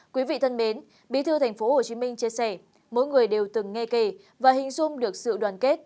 quý vị thân mến bí thư tp hcm chia sẻ mỗi người đều từng nghe kể và hình dung được sự đoàn kết